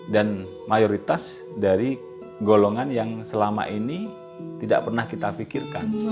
mayoritas dari golongan yang selama ini tidak pernah kita pikirkan